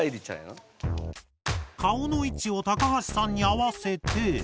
顔の位置を高橋さんに合わせて。